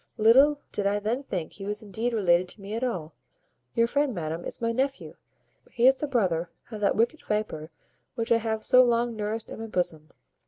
Little did I then think he was indeed related to me at all. Your friend, madam, is my nephew; he is the brother of that wicked viper which I have so long nourished in my bosom.